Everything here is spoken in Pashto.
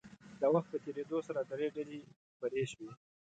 د وخت په تېرېدو سره درې ډلې خپرې شوې.